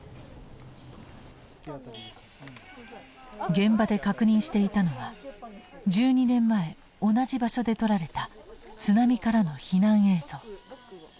現場で確認していたのは１２年前同じ場所で撮られた津波からの避難映像。